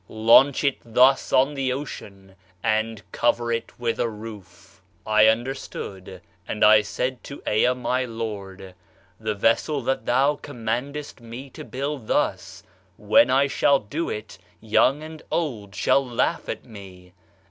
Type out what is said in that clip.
[Launch it] thus on the ocean, and cover it with a roof." I understood, and I said to Ea, my lord: "[The vessel] that thou commandest me to build thus [when] I shall do it, young and old [shall laugh at me.